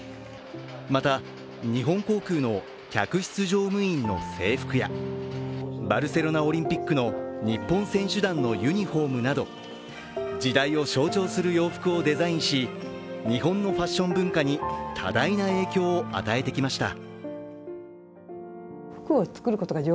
また、日本航空の客室乗務員の制服やバルセロナオリンピックの日本選手団のユニフォームなど時代を象徴する洋服をデザインし日本のファッション文化に多大な影響を与えてきました。